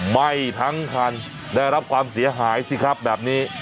ไหม้ทั้งคันได้รับความเสียหายสิครับแบบนี้